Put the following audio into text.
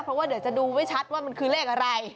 เพราะว่าเดี๋ยวจะดูไว้ชัดว่ามันคือเลขอะไร